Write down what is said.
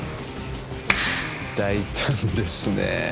大胆ですね